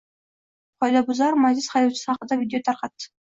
Qoidabuzar Matiz haydovchisi haqida video tarqaldi.